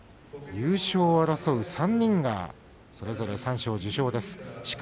優勝を争う３人がそれぞれ三賞受賞です。